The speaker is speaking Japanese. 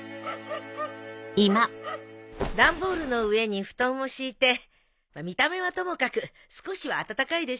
段ボールの上に布団を敷いて見た目はともかく少しは暖かいでしょ。